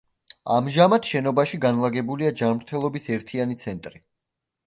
ამჟამად შენობაში განლაგებულია ჯანმრთელობის ერთიანი ცენტრი.